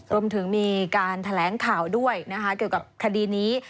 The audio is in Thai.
รวมถึงมีการแถลงข่าวด้วยนะคะเกี่ยวกับคดีนี้